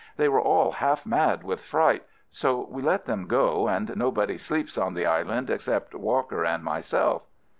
They were all half mad with fright, so we let them go, and nobody sleeps on the island except Walker and myself."